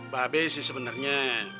babi sih sebenarnya